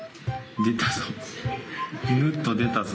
出たぞ。